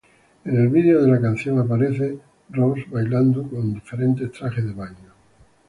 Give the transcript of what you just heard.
En el video de la canción aparece Ross bailando con diferentes trajes de baño.